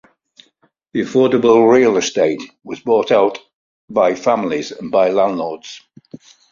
The affordable real estate was bought out by families and by landlords.